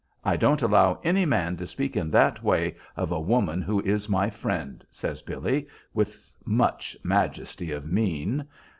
I don't allow any man to speak in that way of a woman who is my friend," says Billy, with much majesty of mien.